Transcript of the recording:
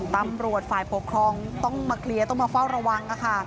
ตำรวจฝ่ายปกครองต้องมาเคลียร์ต้องมาเฝ้าระวัง